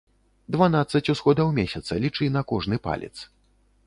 Дванаццаць усходаў месяца лічы на кожны палец.